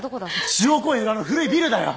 中央公園裏の古いビルだよ。